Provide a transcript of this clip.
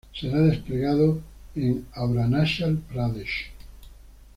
Será desplegado en Arunachal Pradesh.